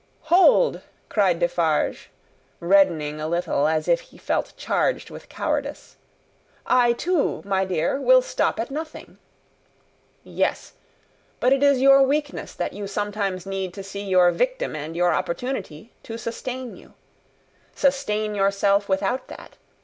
"Hold!" cried Defarge, reddening a little as if he felt charged with cowardice; "I too, my dear, will stop at nothing." "Yes! But it is your weakness that you sometimes need to see your victim and your opportunity, to sustain you. Sustain yourself without that.